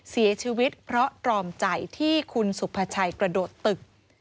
เสียชีวิตเพราะตรอมใจที่คุณสุภาชัยกระโดดตึก